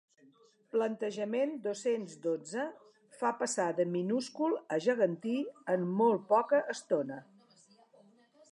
Plantejament dos-cents dotze fa passar de minúscul a gegantí en molt poca estona.